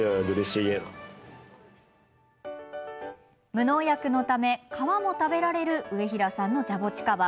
無農薬のため、皮も食べられる上平さんのジャボチカバ。